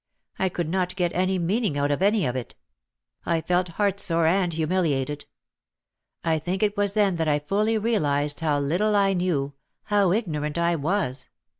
I could not get any meaning out of any of it. I felt heart sore and humiliated. I think it was then that I fully realised how little I knew, how ignorant I was.